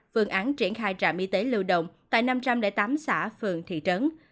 phương án triển khai trạm y tế lưu động tại năm trăm linh tám xã phường thị trấn